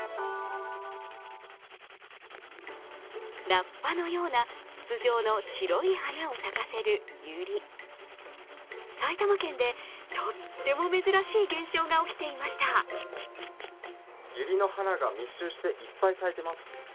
ラッパのような筒状の白い花を咲かせるユリ埼玉県でとっても珍しい現象が起きていましたユリの花が密集して、いっぱい咲いています。